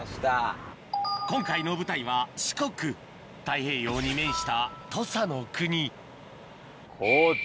今回の舞台は四国太平洋に面した土佐の国高知。